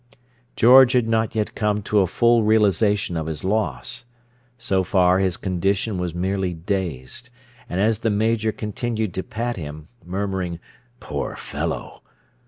George had not yet come to a full realization of his loss: so far, his condition was merely dazed; and as the Major continued to pat him, murmuring "Poor fellow!"